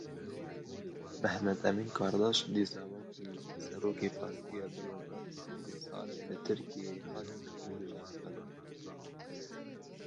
Mehmet Emin Kardaş dîsa wekî serokê Partiya Demokrat a Kurdistanê li Tirkiyeyê hat hilbijartin.